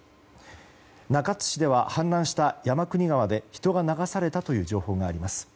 中津市では氾濫した山国川で人が流されたという情報があります。